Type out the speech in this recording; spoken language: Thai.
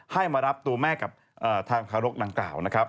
ให้มารับตัวแม่กับทางทารกดังกล่าวนะครับ